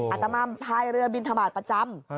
อาตมาพายเรือบินทบาทประจำ